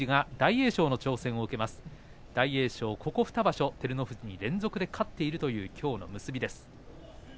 大栄翔は、ここ２場所照ノ富士に連続で勝っているというきょうの結びです。